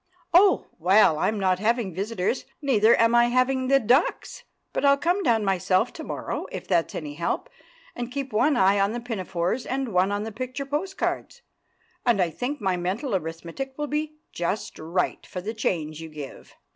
"Oh!! Well, I'm not having visitors, neither am I having the ducks. But I'll come down myself to morrow, if that's any help, and keep one eye on the pinafores and one on the picture postcards. And I think my mental arithmetic will be just right for the change you give."